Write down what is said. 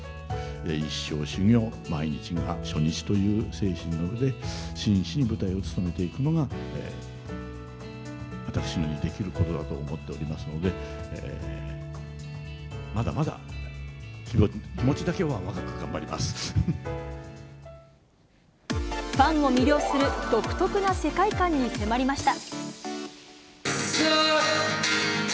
一生修行、毎日が初日という精神の上で、真摯に舞台を勤めていくのが、私にできることだと思っておりますので、まだまだ気持ちだファンを魅了する独特な世界観に迫りました。